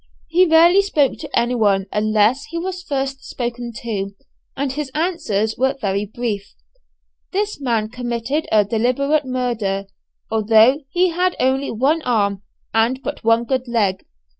He rarely spoke to anyone unless he was first spoken to, and his answers were very brief. This man committed a deliberate murder; although he had only one arm and but one good leg.